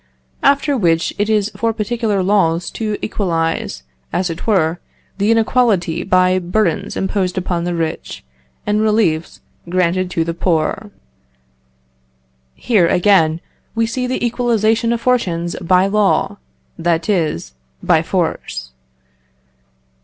After which, it is for particular laws to equalise, as it were, the inequality, by burdens imposed upon the rich, and reliefs granted to the poor." Here, again, we see the equalisation of fortunes by law, that is, by force.